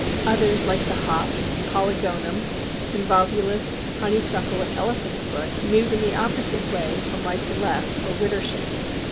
Others, like the Hop, Polygonum, Convolvulus, Honeysuckle, and Elephant's Foot, move in the opposite way from right to left, or "widder shins."